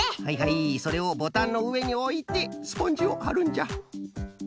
はいはいそれをボタンのうえにおいてスポンジをはるんじゃ。